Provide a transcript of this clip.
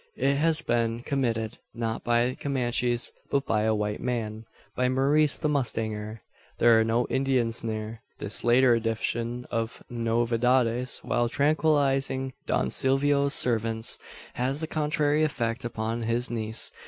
It has been committed, not by Comanches; but by a white man by Maurice the mustanger! There are no Indians near. This later edition of "novedades," while tranquilising Don Silvio's servants, has the contrary effect upon his niece.